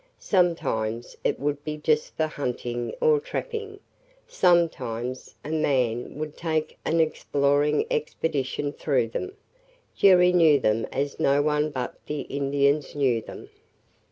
Sometimes it would be just for hunting or trapping; sometimes a man would take an exploring expedition through them. Jerry knew them as no one but the Indians knew them.